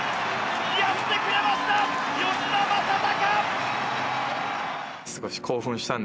やってくれました吉田正尚！